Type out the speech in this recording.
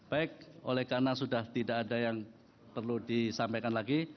baik oleh karena sudah tidak ada yang perlu disampaikan lagi